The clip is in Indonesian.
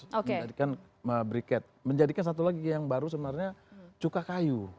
untuk menjadikan briket menjadikan satu lagi yang baru sebenarnya cuka kayu